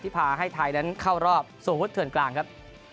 ที่พาให้ไทยเข้ารอบโซกุดเทือนกลางครับ